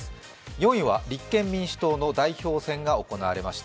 ４位は立憲民主党の代表選が行われました。